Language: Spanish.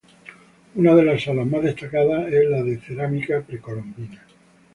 Una de las salas más destacadas es la de cerámica precolombina.